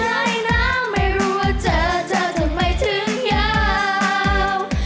ไม่รู้ว่าเจอเธอทำไมถึงยาว